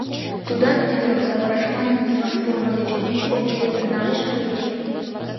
— Тудат, ӱдырым савыраш манын, кинош пурымо деч ончыч кок билетым налеш але уке?